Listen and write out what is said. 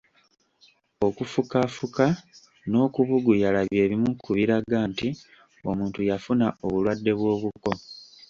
Okufukafuka n'okubuguyala bye bimu kibiraga nti omuntu yafuna obulwadde bw'obuko.